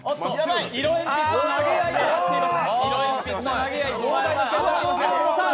色鉛筆の投げ合いとなっております。